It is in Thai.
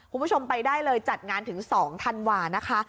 คุณผู้ชมไปได้เลยจัดงานถึง๒ธันวานะคะ